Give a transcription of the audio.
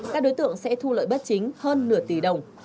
các đối tượng sẽ thu lợi bất chính hơn nửa tỷ đồng